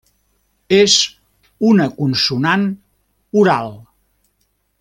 És una consonant oral.